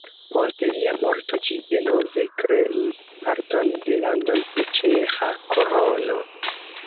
Post lia morto ĝi denove kreis parton de Landoj de Ĉeĥa Krono.